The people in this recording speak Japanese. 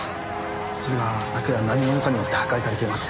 それが昨夜何者かによって破壊されていまして。